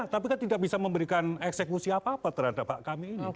tapi kan tidak bisa memberikan eksekusi apa apa terhadap hak kami ini